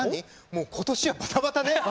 もう今年はバタバタね。